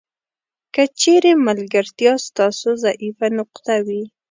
که چیرې ملګرتیا ستاسو ضعیفه نقطه وي.